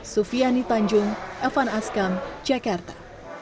sufiani tanjung evan askam jakarta